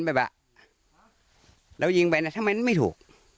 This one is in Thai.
มีแน่เห็นอยู่